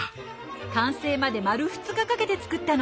完成まで丸２日かけて作ったの。